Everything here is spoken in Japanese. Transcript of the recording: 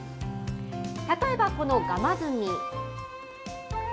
例えばこのガマズミ。